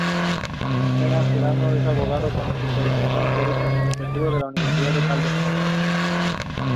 Penagos Giraldo es abogado, con especialización en Derecho Administrativo de la Universidad de Caldas.